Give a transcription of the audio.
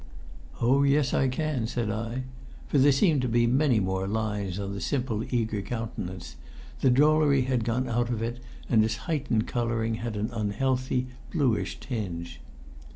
"Oh, yes, I can," said I; for there seemed to be many more lines on the simple, eager countenance; the drollery had gone out of it, and its heightened colouring had an unhealthy, bluish tinge.